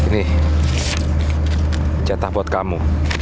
ini cetah buat kamu